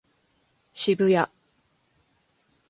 渋谷